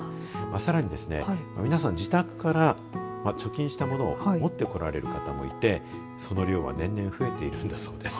さらにですね、皆さん自宅から貯金したものを持ってこられる方もいてその量は年々増えているんだそうです。